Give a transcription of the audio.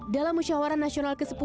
dalam musyawara nasional ke sepuluh